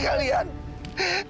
kamu juga cannster